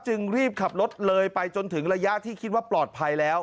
จึงรีบขับรถเลยไปจนถึงระยะที่คิดว่าปลอดภัยแล้ว